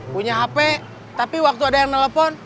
punya hp tapi waktu ada yang nelfon